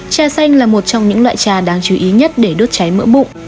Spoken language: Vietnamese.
trà xanh là một trong những loại trà đáng chú ý nhất để đốt cháy mỡ bụng